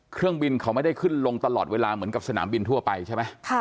เครื่องบินเขาไม่ได้ขึ้นลงตลอดเวลาเหมือนกับสนามบินทั่วไปใช่ไหม